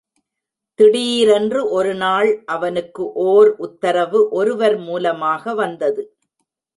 திடீரென்று ஒருநாள் அவனுக்கு ஓர் உத்தரவு ஒருவர் மூலமாக வந்தது.